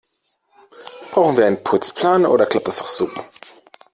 Brauchen wir einen Putzplan, oder klappt das auch so?